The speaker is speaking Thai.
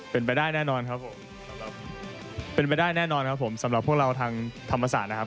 เป็นไปได้แน่นอนครับผมสำหรับเป็นไปได้แน่นอนครับผมสำหรับพวกเราทางธรรมศาสตร์นะครับ